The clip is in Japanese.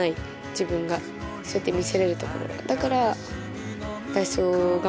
自分がそうやって見せれるところは。